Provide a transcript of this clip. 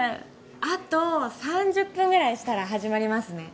あと３０分ぐらいしたら始まりますね